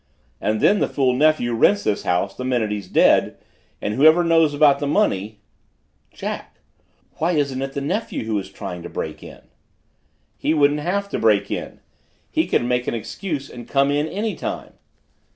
And then the fool nephew rents this house the minute he's dead, and whoever knows about the money " "Jack! Why isn't it the nephew who is trying to break in?" "He wouldn't have to break in. He could make an excuse and come in any time."